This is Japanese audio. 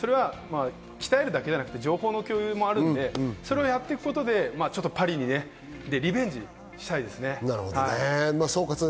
鍛えるだけではなく、情報の共有もあるのでそれをやって、パリでリベンジしたいですね。